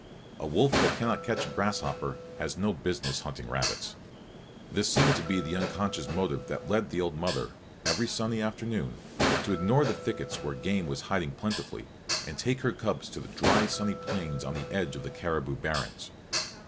A wolf that cannot catch a grasshopper has no business hunting rabbits this seemed to be the unconscious motive that led the old mother, every sunny afternoon, to ignore the thickets where game was hiding plentifully and take her cubs to the dry, sunny plains on the edge of the caribou barrens.